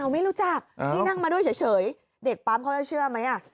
ไม่รู้จักนี่นั่งมาด้วยเฉยเด็กปั๊มเขาจะเชื่อไหม